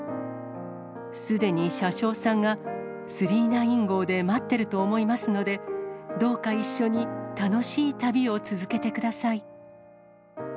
すでに車掌さんが９９９号で待ってると思いますので、どうか一緒に楽しい旅を続けてください。